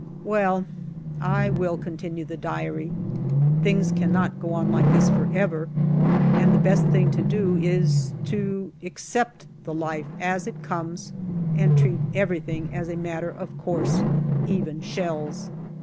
Well, I will continue the Diary : things cannot go on like this for ever, and the best thing to do is to accept the life as it comes and treat everything as a matter of course even shells.